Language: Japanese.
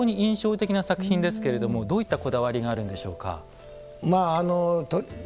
藍色が非常に印象的な作品ですけれどもどういったこだわりがあるんでしょうか。